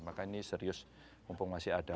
maka ini serius mumpung masih ada